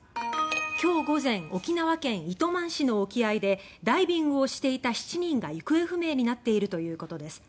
今日午前、沖縄県糸満市の沖合でダイビングをしていた７人が行方不明になっているということです。